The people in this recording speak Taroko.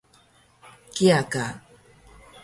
kiya ka